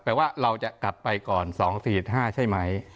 ว่าเราจะกลับไปก่อน๒๔๕ใช่ไหม